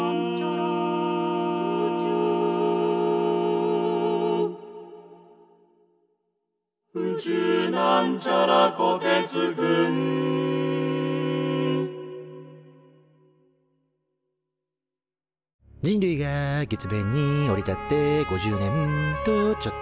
「宇宙」人類が月面に降り立って５０年とちょっと。